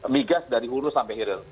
migas dari urus sampai hiril